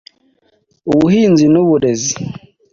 ubuhinzi n’ubulezi